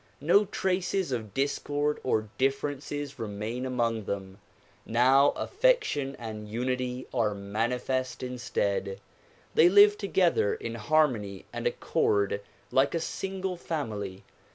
No traces of discord or differences remain among them ; now affection and unity are manifest instead. They live together in harmony and accord like a single family.